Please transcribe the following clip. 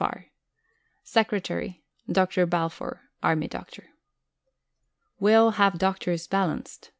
Farr } Secretary Dr. Balfour Army Doctor. Will have Drs. balanced.